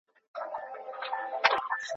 ما یې تنې ته زلمۍ ویني اوبه خور ورکاوه